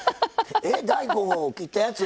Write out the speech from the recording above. え大根を切ったやつを。